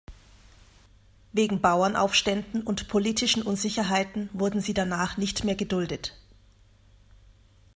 Wegen Bauernaufständen und politischen Unsicherheiten wurden sie danach nicht mehr geduldet.